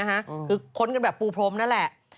คือค้นกันแบบปูพรมนั่นแหละ